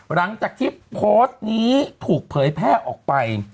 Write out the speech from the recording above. หลังจากที่โพสต์นี้ถูกเผยแพร่ออกไป